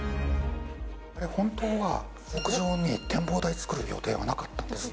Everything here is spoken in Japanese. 本当は屋上に展望台作る予定はなかったんです。